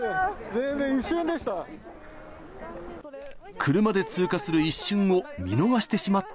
全然、一瞬でした。